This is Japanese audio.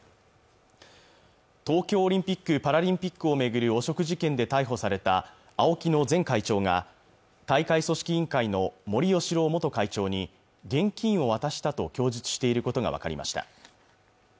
東京オリンピック・パラリンピックを巡る汚職事件で逮捕されたＡＯＫＩの前会長が大会組織委員会の森喜朗元会長に現金を渡したと供述していることが分かりました